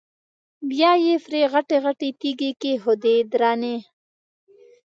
بیا یې پرې غټې غټې تیږې کېښودې درنې.